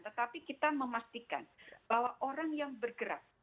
tetapi kita memastikan bahwa orang yang bergerak